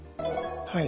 はい。